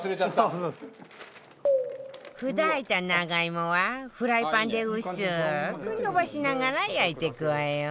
砕いた長芋はフライパンで薄く延ばしながら焼いていくわよ